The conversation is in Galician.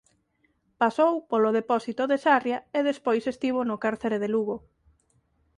Pasou polo Depósito de Sarria e despois estivo no Cárcere de Lugo.